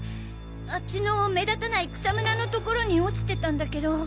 あっちの目立たない草むらの所に落ちてたんだけど。